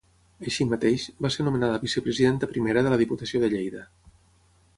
Així mateix, va ser nomenada vicepresidenta primera de la Diputació de Lleida.